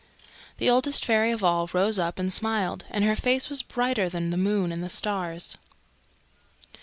The Oldest Fairy of All rose up and smiled, and her face was brighter than the moon and stars.